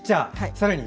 さらに